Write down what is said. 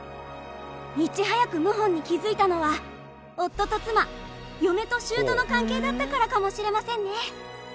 いち早く謀反に気づいたのは夫と妻嫁と舅の関係だったからかもしれませんね。